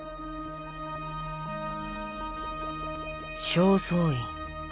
正倉院。